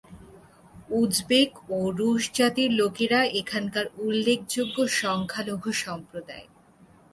Uzbek ও রুশ জাতির লোকেরা এখানকার উল্লেখযোগ্য সংখ্যালঘু সম্প্রদায়।